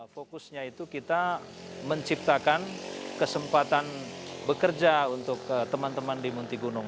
fokusnya itu kita menciptakan kesempatan bekerja untuk teman teman di munti gunung